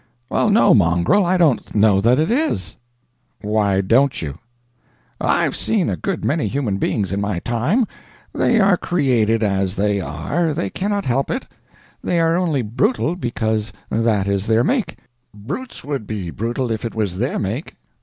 "Well, no, Mongrel, I don't know that it is." "Why don't you?" "I've seen a good many human beings in my time. They are created as they are; they cannot help it. They are only brutal because that is their make; brutes would be brutal if it was their make."